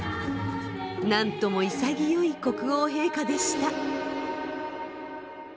なんとも潔い国王陛下でした。